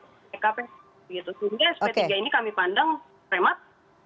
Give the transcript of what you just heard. sehingga sp tiga ini kami pandang remat